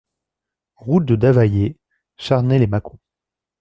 Route de Davayé, Charnay-lès-Mâcon